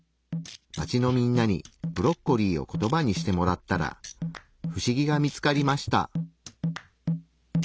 街のみんなにブロッコリーをコトバにしてもらったら不思議が見つかりました。